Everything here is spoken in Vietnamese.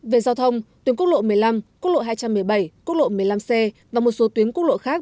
về giao thông tuyến quốc lộ một mươi năm quốc lộ hai trăm một mươi bảy quốc lộ một mươi năm c và một số tuyến quốc lộ khác